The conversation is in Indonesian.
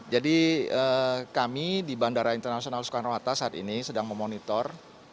jadi kami di bandara internasional soekarno hatta saat ini sedang memonitor